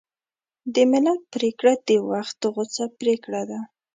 د ملت پرېکړه د وخت غوڅه پرېکړه ده.